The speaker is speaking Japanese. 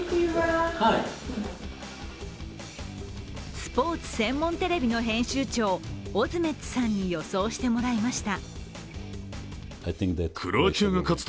スポーツ専門テレビの編集長、オズメッツさんに予想してもらいました。